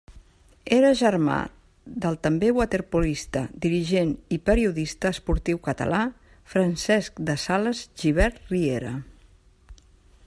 Era germà del també waterpolista, dirigent i periodista esportiu català Francesc de Sales Gibert Riera.